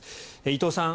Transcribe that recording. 伊藤さん